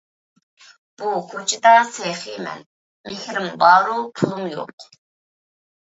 بۇ كۇچىدا سېخى مەن، مېھرىم بارۇ پۇلۇم يوق،